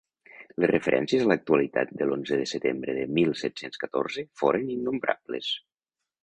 Les referències a l’actualitat de l’onze de setembre de mil set-cents catorze foren innombrables.